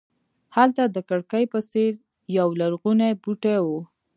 هلته د کړکۍ په څېر یولرغونی بوټی و.